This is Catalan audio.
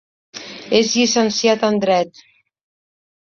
És llicenciat en dret.